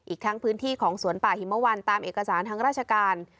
อีกทั้งพื้นที่ของสวนป่าหิมวันตามเอกสารทางราชการ